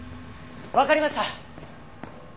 わかりました！